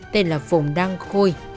tên là phùng đăng khôi